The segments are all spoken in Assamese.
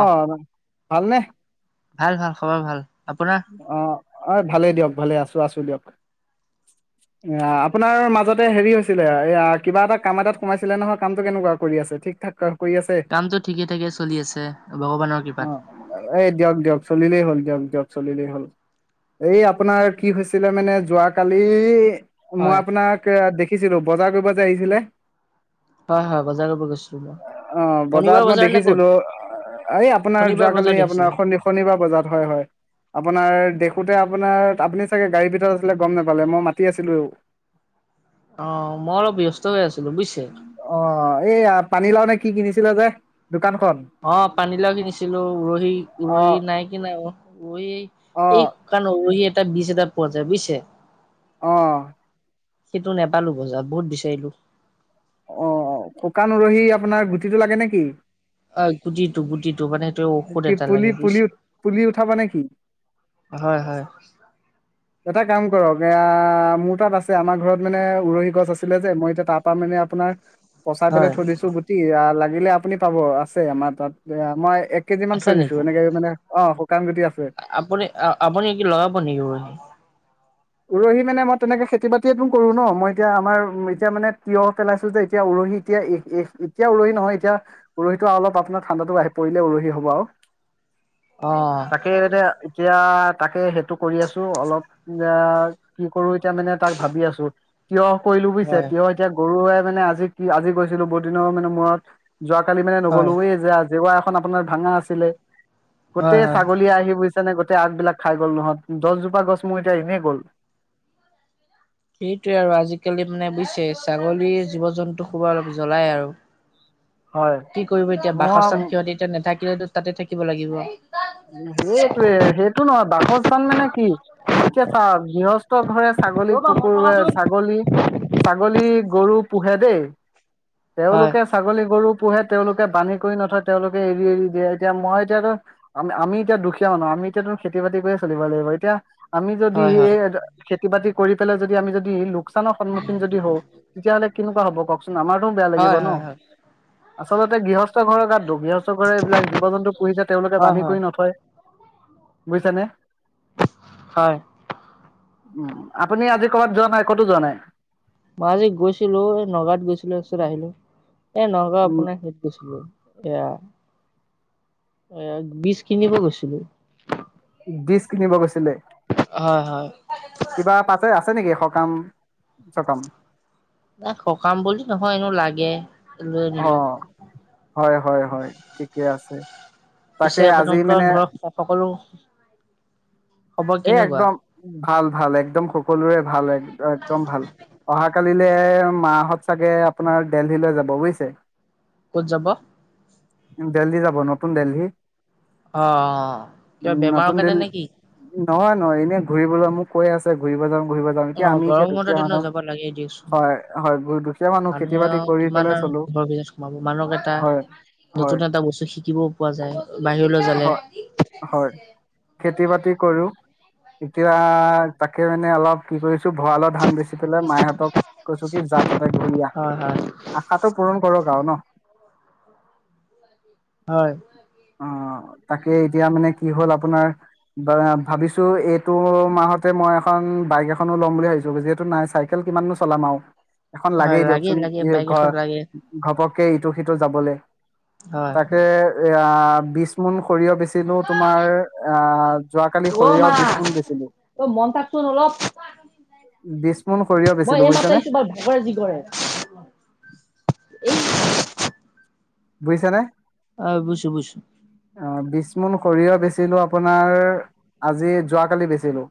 অ ভাল নে? ভাল ভাল খবৰ ভাল। আপোনাৰ? অ অ ভালে দিয়ক ভালে আছো আছো দিয়ক। [inaudible] অ আপোনাৰ মাজতে হেৰি হৈছিলে এ কিবা এটা কাম এটাত সোমাইছিলে নহয় কামটো কেনেকুৱা কৰি আছে? ঠিক-থাক কা কৰি আছ কামটো ঠিকে ঠাকে চলি আছে ভগৱানৰ অ', কৃপাত। এই দিয়ক দিয়ক চলিলেই হ'ল দিয়ক দিয়ক। চলিলেই হ'ল। এই আপোনাৰ কি হৈছিলে মানে যোৱ কালি মই হয় আপোনাক দেখিছিলো বজাৰ কৰিব যে আহিছিলে। হয় হয় বজাৰ কৰিব গৈছিলো মই অ শনিবাৰ বজাৰত মই বজাৰ নে ক'ত দেখিছিলো এই আপোনাৰ শনিবাৰ বজাৰ যোৱাকালি দেখিছিলে। আপোনাৰ শনি-শনিবাৰ বজাত হয় হয়। আপোনাৰ দেখোঁতে আপোনাৰ আপুনি চাগে গাড়ীৰ ভিতৰত আছিলে গম নাপালে মই মাতি আছিলো। অ মই অলপ ব্যস্ত হৈ আছিলো বুজিছে। অ এইয়া পানী লাও নে কি কিনিছিলে যে? দোকানখন। অ পানীলাও কিনিছিলো, অ উৰহি-উৰহি নাই কিনা অ উহি অ এই কাৰণ উৰহি এটা বিছ এটা পোৱা যায় বুইছে? অ। সেইটো নাপালো বজাৰত বহুত বিচাৰিলো। অ অ শুকান উৰহি আপোনাৰ গুটিটো লাগে নেকি? অ গুটিটো-গুটিটো মানে ঔষধ কি এটা পুলি লাগে পুলি বুজিছে পুলি উঠাবা নেকি হয় হয়। এটা কাম কৰক। এয়া মোৰ তাত আছে, আমাৰ ঘৰত মানে উৰহি গছ আছিলে যে, মই এতিয়া তাত তাৰ মানে আপোনাৰ পচাই পেলাই হয় থৈ দিছো গুটি লাগিলে আপুনি পাব আছে আমাৰ তাত, মই এক কেজিমান আছা থৈ দিছো, নেকি এনেকে মানে অ শুকান গুটি আছে। আপুনি আপুনি কি লগাব নেকি উৰহি? উৰহি মানে মই তেনেকে খেতি বাতিয়ো কৰো ন, মই এতিয়া আমাৰ এতিয়া মানে তিয়হ পেলাইছো যে এতিয়া উৰহি এতিয়া এ এতিয়া উৰহি নহয় এতিয়া উৰহিটো অলপ আপোনাৰ ঠাণ্ডাটো আহি পৰিলে উৰহি হ'ব আৰু। অ। তাকে এ এতিয়া তাকে সেইটো কৰি আছো অলপ এ কি কৰো এতিয়া মানে তাক ভাবি আছো, তিয়হ কৰিলো বুজিছে হয়, তিয়হ এতিয়া গৰুৱে মানে আজি কি আজি গৈছিলো বহুত দিনৰ মানে মূৰত যোৱ কালি মানে হয়, নগ'লোৱ যে জেওৰা এখন আপোনাৰ ভাঙা আছিলে, হয়, গোটেই হয়। ছাগলী আহি গৈছিল নে গোতেই আগবিলাক খাই গ'ল নহয়, দহ গজোপা গছ মোৰ এতিয়া আহনেে গ'ল। সেইটোৱে আৰু আজিকালি মানে বুজিছে ছাগলীৰ জীৱ-জন্তু খুব জ্বলাই আৰু। হয় কি কৰিব এতিয়া মই বাসস্থান সিহঁতি এতিয়া নাথাকিলেটো তাতে থাকিব লাগিব। সেইটোয়ে সেইটো নহয় বাসস্থান মানে কি এতিয়া চ গৃহস্থ ঘৰে ছাগলী ৰ'বা মন কুকুৰ থকাচোন। ছাগলী ছাগলী গৰু পোহে দেই হয়, তেওঁলোকে ছাগলী গৰু পোহে তেওঁলোকে বানী কৰি নথয় তেওঁলোকে এৰি এৰি দিয়ে এতিয়া মই এতিয়াতো আমি আমি এতিয়া দুখীয়া মানুহ আমি এতিয়া তু খেতি বাতি কৰিয়ে চলিব লাগিব এতিয়া আমি যদি হয়, হয়, এই খেতি বাতি কৰি পেলাই যদি আমি যদি লোকচানৰ সন্মুখীন যদি হওঁ তেতিয়াহ'লে কেনেকুৱা হ'ব কওকচোন আমাৰতো বেয়া লাগিব হয়, ন হয়, হয়, আচলতে গৃহ ঘৰৰ গাত দুখ গৃহস্থ ঘৰ এইবিলাক জীৱ জন্তু পোহিচে তেওঁলোকে বান্ধি হয় বুজিছেনে হয় উম আপুনি আজি কৰবাত যোৱা নাই ক'তো যোৱা নাই মই আজি গৈছিলো এই নগাঁৱত গৈছিলো তাৰপিছত আহিলো এ নগাঁও উম, আপোনাৰ হেত গৈছিলো এয়া এ বীজ কিনিব গৈছিলো বিজ কিনিব গৈছিলে হয় হয় কিবা পাছে আছে নেকি সকাম চকাম নাই সকাম বুলি নহয় এনেও লাগে লৈ আনিলো অ', হয় হয় হয় ঠিকে আছে পিছে তাকে আজি আপোনালোকৰ মেনে ঘৰত সকলো খবৰ এই কেনেকুৱা? একদম ভাল ভাল একদম সকলোৰে ভাল এক একদম ভাল অহা কালিলে মা হত চাগে আপোনাৰ দেলহিলৈ যাব বুজিছে ক'ত যাব দেলহি যাব নতুন দেলহি অ কিবা উম, নতুন বেমাৰৰ কাৰণে দেলহি নে কি নহয় নহয় এনেই ঘুৰিবলৈ মোক কৈ আছে ঘুৰিব যাম ঘুৰিব যাম অ এতিয়া আমি এতিয়া গৰম বন্ধৰ দুখীয়া দিনত মানুহ যাব লাগে দিয়কচোন। হয় হয় মানুহ খেতি মানুহে বাতি আৰু কৰি কিমান পেলাই আৰু চলো ঘৰৰ ভিতৰত সোমাব মানুহক এটা হয় হয় নতুন এটা বস্তু শিকিবও পোৱা যায় বাহিৰলৈ হয় যালে হয় খেতি বাতি কৰো এতিয়া তাকে মানে অলপ কি কৰিছো ভঁৰালৰ ধান বেচি পেলাই মাহঁতক কৈছো কি জাততে ঘূৰি আহ হয় হয় আশাটো পূৰণ কৰক আৰু ন হয় অ তাকে এতিয়া মানে কি হ'ল আপোনাৰ ভাবিছো এইটো মাহতে মই এখন বাইক এখনো ল'ম বুলি ভাবিছো যিহেতু নাই চাই চেল কিমান নো চলাম আৰু এখন হয় লাগেই লাগে দিয়কচোন লাগে ই বাইক ঘ এখন লাগে ঘপককে ইটো সিটো যাবলৈ হয়। তাকে এ বিচ মোন সৰিয়হ বেচিলো তোমাৰ আহ যোৱাকালি অ সৰিয়হ মা বিস্পুন দিছিলোঁ তই মন থাকচোন অলপ বিস্পুন সৰিয়হ বেচিলো বুজিছানে? কৰে যি কৰে, বুজিছেনে? হয়, বুছো-বুছো অ, বিচমোন সৰিয়হ বেচিলো আপোনাৰ, আজি যোৱাকালি বেচিলো।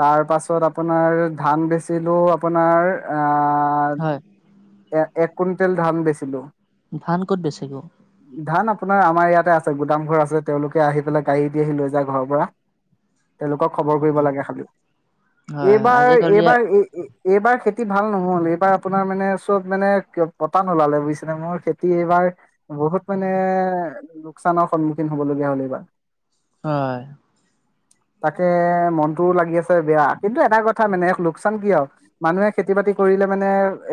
তাৰ পাছত আপোনাৰ ধান বেচিলেও আপোনাৰ আহ, হয় আ এ, এক কুইণ্টেল ধান বেচিব। ধান ক'ত বেচিব? ধান আপোনাৰ আমাৰ ইয়াতে আছে। গুদামঘৰ আছে, তেওঁলোকে আহি পেলাই গাড়ী দি আহি লৈ যায় ঘৰৰ পৰা। তেওঁলোকক খবৰ কৰিব লাগে খালি, হয় এইবাৰ আজিকালি এইবাৰ এইবাৰ খেতি ভাল নহ'ল। এইবাৰ আপোনাৰ মানে চব মানে পতান ওলালে বুজিছেনে মোৰ খে খেতি এইবাৰ বহুত মানে লোকচানৰ সন্মুখীন হ'বলগীয়া হ'ল এইবাৰ। হয়। তাকে মনটোও লাগি আছে বেয়া। কিন্তু এটা কথা মানে এক লোকচান কিয়? মানুহে খেতি বাতি কৰিলে মানে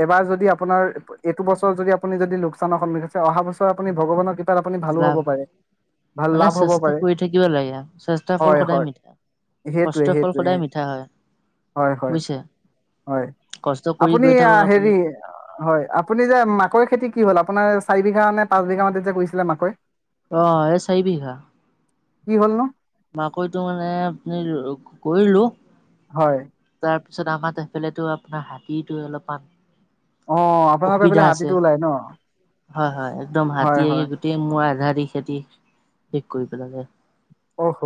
এবাৰ যদি আপোনাৰ এইটো বছৰত যদি আপুনি যদি লোকচানৰ সন্মুখীন হৈছে, অহা বছৰ আপুনি ভগৱানৰ কিপাত আপুনি ভালো হ'ব। লাভ হয়, ভাল মানে লাভ হ'ব চেষ্টা পাৰে। কৰি থাকিব লাগে চেষ্টাৰ ফল হয় সদায় হয়। মিঠা। সেইটোৱে, কষ্টৰ ফল সেইটোৱে সদায় সেই। মিঠা হয় হয়, হয়, বুজিছে হয়, কষ্ট কৰি আপুনি গৈ থাকক হেৰি আপুনি। হয়, আপুনি যে মাকৈৰ খেতি কি হ'ল? আপোনাৰ চাৰি বিঘা নে পাঁচ বিঘা মাটিতে যে কৰিছিলে মাকৈ? অ, এই চাৰি বিঘা। কি হ'ল নো? মাকৈ টো মানে কৰিলোঁ, কৰিলোঁ। হয়। তাৰপিছত আমাৰ সেইফালেতো আপোনাৰ হাতীটো অলপমান অ আপোনালোকৰ অসুবিধা এইফালে আছে। হাতীটো ওলাই ন হয়, হয় একদম হয় হাতী আহি গো হয় গোটেই মোৰ আধা আধি খেতি শেষ কৰি পেলালে। অ'হ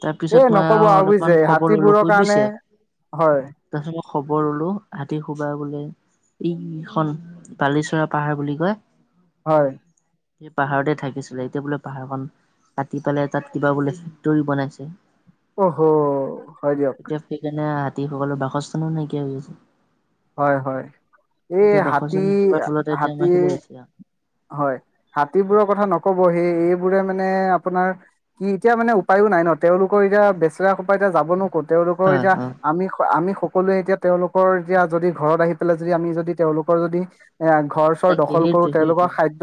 তাৰ এ পিছত মই নক'ব আৰু অলপমান বুজিছে, খবৰ ললো হাতীবোৰৰ শুই কাৰণে বুজিছে। হয়। তাৰপিছত মই খবৰ ললোঁ। ৰাতি শোৱা বুলি। ই ইখন বালিচৰা পাহাৰ বুলি কয়। হয়। সেই পাহাৰতে থাকিছিলে। এতিয়া বোলে পাহাৰখন কাটি পেলাই তাত কিবা বোলে টল বনাইছে। অ'হ, হয় দিয়ক। এতিয়া সেইকাৰণে হাতী সকলো বাসস্থানো নাইকিয়া হৈ আছে। হয়, হয়, এই এতিয়া বাসস্থান নথকাৰ ফলতে এতিয়া আমাৰ হাতী-হাতী এইফালে আহিছে আও। হয়, হাতীবোৰৰ কথা ন'কব সেই এইবোৰে মানে আপোনাৰ কি এতিয়া মানে উপায়ো নাই ন। তেওঁলোকৰ এতিয়া বেচেৰা সোপা এতিয়া যাব নো ক'ত। তেওঁলোকৰ হয় এতিয়া হয় আমি-আমি সকলোৱে এতিয়া তেওঁলোকৰ তেতিয়া যদি ঘৰত আহি পেলাই যদি আমি যদি তেওঁলোকৰ যদি এ ঘৰ-চৰ তাকে দখল কৰোঁ সেইটোৱে তেওঁলোকৰ সেইটোৱে খাদ্য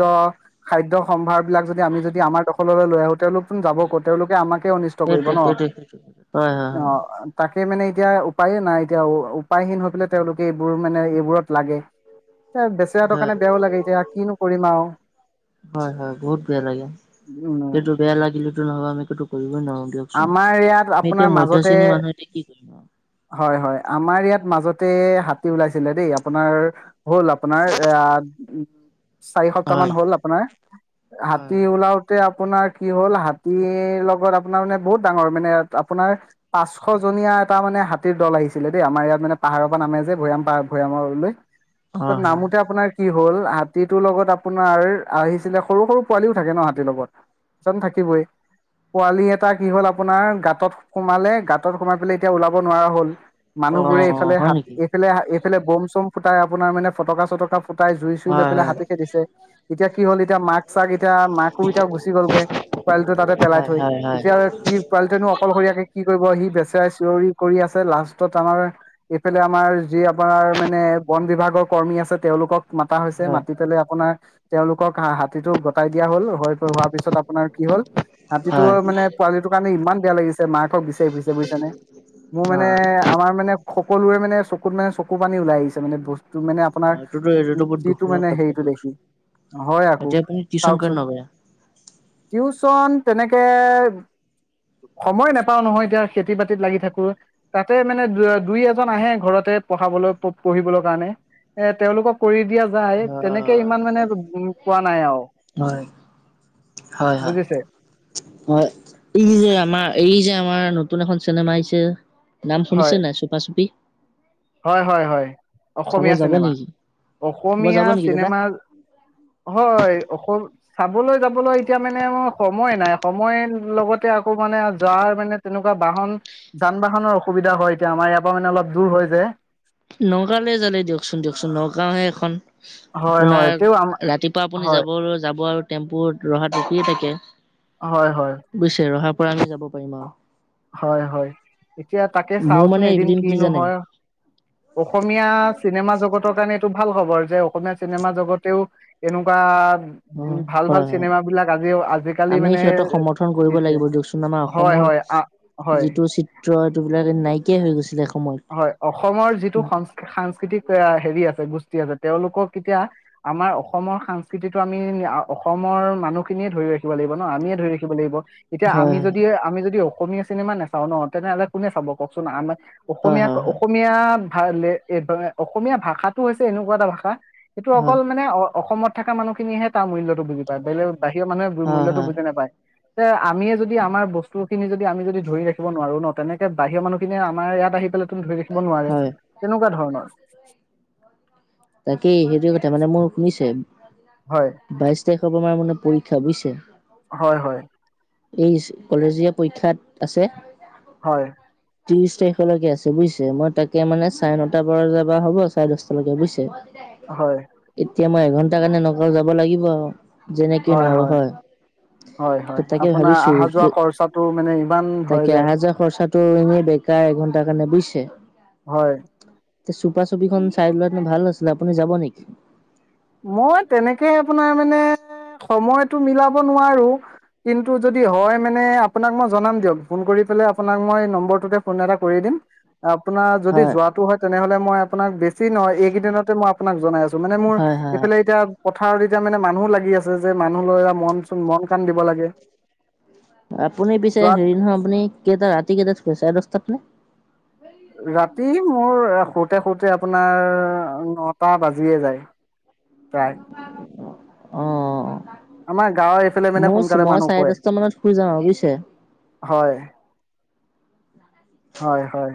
খাদ্য সম্ভাৰ বিলাক যদি আমি যদি আমাৰ দখললৈ লৈ আহোঁ তেওঁলোক যাব ক'ত, তেওঁলোকে আমাকে অনিষ্ট কৰিব সেইটোৱে ন, সেইটোৱে সেইটোৱে হয় হয় হয়। অ' তাকে মানে এতিয়া উপায়ে নাই, এতিয়া উপায়হীন হৈ পেলাই তেওঁলোকে এইবোৰ মানে এইবোৰত লাগে। এ, বেচেৰাটোৰ কাৰণে বেয়াও লাগে এতিয়া কিনো কৰিম আৰু। হয়, হয়, বহুত বেয়া লাগে, উম সেইটো বেয়া লাগিলেতো নহ'ব আমি একো কৰিবই নোৱাৰোঁ। দিয়কচোন, আমাৰ ইয়াত আমি আপোনাৰ এতিয়া মধ্য মাজতে শ্ৰেণী মানুহ এতিয়া কি কৰিম আৰু। হয়, হয়, আমাৰ ইয়াত মাজতে হাতী ওলাইছিলে দেই আপোনাৰ হ'ল আপোনাৰ এইয়া চাৰি সপ্তাহ হয় মান হ'ল আপোনাৰ, হাতী হয় ওলাওঁ তে আপোনাৰ কি হ'ল হাতীৰ লগত আপোনাৰ মানে বহুত ডাঙৰ মানে আপোনাৰ পাঁচশজনীয়া এটা মানে হাতীৰ দল আহিছিলে দেই আমাৰ ইয়াত মানে পাহাৰৰ পৰা নামে যে ভৈয়াম পাহ ভৈয়ামলৈ। [inaudible] ত হয়। নামুতে আপোনাৰ কি হ'ল হাতীটোৰ লগত আপোনাৰ আহিছিলে সৰু, সৰু পোৱালিও থাকে ন হাতীৰ লগত। এজন থাকিবই পোৱালিএ এটা কি হ'ল আপোনাৰ গাঁতত সোমালে গাঁতত সোমাই পেলাই এতিয়া ওলাব নোৱাৰা হ'ল। অ মানুহবোৰে এইফালে হয় হাত নেকি এইফালে, এইফালে বম চম ফুটাই আপোনাৰ মানে ফটকা চটকা ফুটাই জুই চুই লৈ হয় পেলাই হাতি খেদিছে। এতিয়া কি হ'ল এতিয়া মাক চাক এতিয়া মাকো এতিয়া গুচি গ'লগে পোৱালিটো তাতে পেলাই হয় হয় থৈ হয় হয় এতিয়া কি পোৱালিনো অকলশৰীয়াকে কি কৰিব সি বেচৰাই চিঞৰি কৰি আছে লাষ্টত আমাৰ ইফালে আমাৰ যি আপোনাৰ মানে বন বিভাগৰ কৰ্মী আছে তেওঁলোকক মাতা হৈছে হয় মাতি পেলাই আপোনাৰ তেওঁলোকক হা হাতীটো গটাই দিয়া হ'ল হৈ হোৱাৰ পিছত আপোনাৰ কি হ'ল হাতীটোৰ হয়। মানে পোৱালিটোৰ কাৰণে ইমান বেয়া লাগিছে মাকক বিচাৰি ফুৰিছে বুজিছানে মোৰ অ'। মানে আমাৰ মানে সকলোৰে মানে চকুত মানে চকু পানী ওলাই আহিছে মানে বস্তু মানে আপোনাৰ এইটোতো এইটোতো বহুত দুখ যিটো লগা মানে কথা হেৰিটো দেখি দিয়কচোন, হয় আকৌ এতিয়া আপুনি টিউচন কৰে চাওকচোন। নকৰে? টিউচন তেনেকে সময় নাপাও নহয় এতিয়া খেতি বাতিত লাগি থাকোঁ। তাতে মানে দু দুই এজন আহে ঘৰতে পঢ়াবলৈ পঢ়িবলৈ কাৰণে। এ তেওঁলোকক কৰি দিয়া যায় তেনেকে ইমান মানে উ পোৱা নাই আৰু। হয়, হয়, হয়। বুজিছে হয় এই যে আমাৰ এই যে আমাৰ নতুন এখন চিনেমা আহিছে। নাম হয় শুনিছে নাই চুপা চুপি। হয়, হয়, হয় চাব অসমীয়া যাব চিনেমা নেকি? চাব অসমীয়া যাব নেকি দাদা? চিনেমা হয় অসম চাবলৈ যাবলৈ এতিয়া মানে ম সময় নাই সময় লগতে আকৌ মানে যোৱাৰ মানে তেনেকুৱা বাহন যান বাহনৰ অসুবিধা হয় এতিয়া আমাৰ ইয়াৰ পৰা মানে অলপ দূৰ হয় যে। নগাঁওলৈ যালে দিয়কচোন দিয়কচোন নগাঁওহে এখন। হয় হয় আপোনাৰ তেও আম ৰাতিপুৱা আপুনি হয় যাবলৈ যাব আৰু টেম্পু ৰহাত ৰখিয়ে থাকে। হয়, হয়। বুজিছে ৰহাৰ পৰা আমি যাব পাৰিম আৰু। হয়, হয় এতিয়া তাকে মোৰ চাওচোন মানে এদিন এইকেইদিন কি কিনো জানে হয় অসমীয়া চিনেমা জগতৰ কাৰণে এইটো ভাল খবৰ যে অসমীয়া চিনেমা জগতেও এনেকুৱা অ', ভাল হয়, ভাল হয়। চিনেমা বিলাক আজিও আজিকালি আমি মানে সিহঁতক সমৰ্থন কৰিব দিছে লাগিব দিয়কচোন আমাৰ হয়, অসমৰ হয়। আহ। যিটো চিত্ৰ এইটোবিলাক নাইকিয়া হৈ গৈছিলে এ সময়ত। হয়, অসমৰ যিটো সংক সাংস্কৃতিক আ হেৰি আছে গোষ্ঠী আছে তেওঁলোকক এতিয়া আমাৰ অসমৰ সাংস্কৃতিটো আমি অসমৰ মানুহখিনিয়ে ধৰি ৰাখিব লাগিব ন আমিয়ে ধৰি ৰাখিব লাগিব এতিয়া আমি হয় যদি আমি যদি অসমীয়া চিনেমা নাচাওঁ ন তেনেহ'লে কোনে চাব কওকচোন আমাৰ হয় অসমীয়া ক হয় হয় অসমীয়া ভা লে এ বা অসমীয়া ভাষাটো হৈছে এনেকুৱা এটা ভাষা সেইটো হয় অকল মানে অ', অসমত থকা মানুহখিনিয়েহে তাৰ মূল্যতো বুজি পায় বেলেগ বাহিৰ মানুহে মূল্য হয় বুজি নাপায়। তে আমিয়ে যদি আমাৰ বস্তু খিনি যদি আমি যদি ধৰি ৰাখিব নোৱাৰো ন তেনেকে বাহিৰৰ মানুহখিনিয়ে আমাৰ ইয়াত আহি পেলাই [unintelligible] ধৰি ৰাখিব হয় নোৱাৰে হয় তেনেকুৱা ধৰণৰ। তাকেই, সেইটোৱে কথা মানে মোৰ শুনিছে হয় বাইশ তাৰিখৰ পৰা মানে মানে পৰীক্ষা বুইছে। হয় হয়। [unintelligible] কলেজীয়া পৰীক্ষাত আছে। হয়। ত্ৰিশ তাৰিখলৈকে আছে, বুজিছে? মই তাকে মানে চাৰে নটাৰ পৰা যাবা হ'ব চাৰে দহটালৈকে বুজিছে? [unintelligible] হয়। এতিয়া মই এঘন্টাৰ কাৰণে নগাঁও যাব লাগিব আও, যেনেক নহ'ওক হয়। হয় হয় তাকে আপোনাৰ ভাবিছো আহা-যোৱা খৰচাটো মানে ইমান তাকে হয় যায়। অহা যোৱা খৰচাটো এনেই বেকাৰ এঘন্টাৰ কাৰণে বুইছে? হয়। এ চুপা চুপিখন চাই লোৱা হেতেনে ভাল আছিলে। আপুনি যাব নেকি? মই তেনেকে আপোনাৰ মানে সময়টো মিলাব নোৱাৰো। কিন্তু যদি হয় মানে আপোনাক মই জনাম দিয়ক ফোন কৰি পেলাই আপোনাক মই নম্বৰটোতে। ফোন এটা কৰি দিম। আপোনাৰ যদি যোৱাটো হয়, তেনেহলে মই আপোনাক বেছি নহয় এইকেইদিনতে মই আপোনাক জনাই আছো। টো' মানে মোৰ হয়, হয়, হয়। এইফালে এতিয়া পথাৰত এতিয়া মানে মানুহ লাগি আছে যে, মানুহ লয় মন চোন মন কাণ দিব লাগে। আপুনি পিছে যোৱাত হেৰি নহয়, আপুনি কেইটা ৰাতি কেইটাত শুৱে চাৰে দহটাত নে? ৰাতি মোৰ শুতে শুতে আপোনাৰ নটা বাজিয়ে যায়। প্ৰায়। [unintelligible] অ' অ'। আমাৰ গাঁৱৰ এইফালে মানে মোৰ সোনকালে মই মানুহ চাৰে শুৱে দহটা মানত শুই যাওঁ আৰু বুজিছে। হয় হয় হয়।